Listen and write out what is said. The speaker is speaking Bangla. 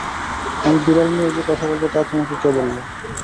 আমি বিড়াল নিয়েই যে কথা বলব, তা তোমাকে কে বলল?